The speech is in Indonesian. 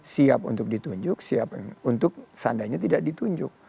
siap untuk ditunjuk siap untuk seandainya tidak ditunjuk